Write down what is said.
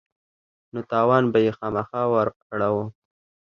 نو تاوان به يې خامخا وراړاوه.